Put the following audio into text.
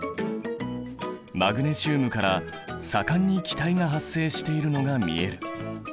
マグネシウムから盛んに気体が発生しているのが見える。